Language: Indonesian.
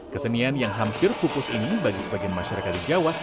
kesenian yang hampir pupus ini bagi sebagian masyarakat di jawa